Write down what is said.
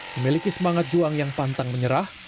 memiliki semangat juang yang pantang menyerah